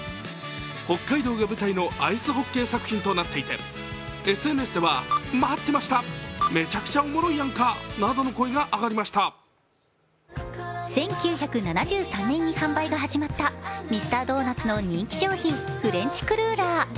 北海道が舞台のアイスホッケー作品となっていて、ＳＮＳでは１９７３年に販売が始まったミスタードーナツの人気商品、フレンチクルーラー。